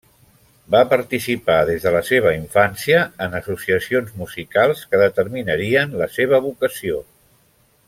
Va participar des de la seva infància en associacions musicals que determinarien la seva vocació.